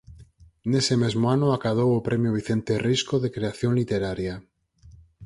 Nese mesmo ano acadou o Premio Vicente Risco de Creación Literaria.